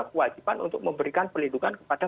kewajiban untuk memberikan perlindungan kepada